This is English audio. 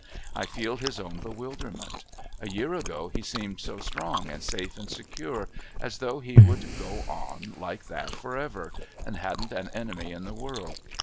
I feel his own bewilderment. A year ago he seemed so strong and safe and secure as though he would go on like that for ever, and hadn't an enemy in the world.